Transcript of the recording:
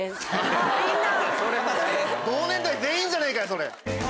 同年代全員じゃねえかよそれ！